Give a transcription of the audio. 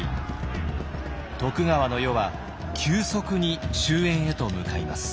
徳川の世は急速に終焉へと向かいます。